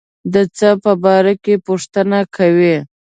د څه په باره کې پوښتنه کوي.